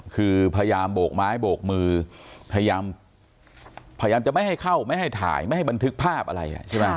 คือพยายามโบกไม้โบกมือพยายามจะไม่ให้เข้าไม่ให้ถ่ายไม่ให้บันทึกภาพอะไรใช่ไหม